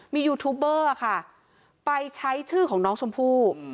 มียูทูบเบอร์ค่ะไปใช้ชื่อของน้องชมพู่